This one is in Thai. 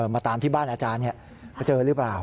มาตามที่บ้านอาจารย์มาเจอหรือเปล่า